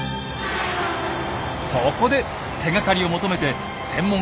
そこで手がかりを求めて専門家がいる京都へ！